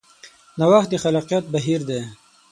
نوښت د خلاقیت بهیر دی.